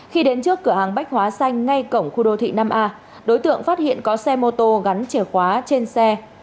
khi đến trước cửa hàng bách hóa xanh ngay cổng khu đô thị năm a đối tượng phát hiện có xe mô tô gắn chìa khóa trên xe